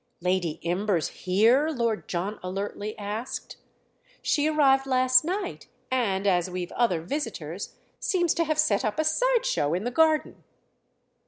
"Lady Imber's here?" Lord John alertly asked. "She arrived last night and—as we've other visitors—seems to have set up a side show in the garden."